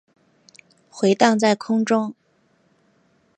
回荡在空中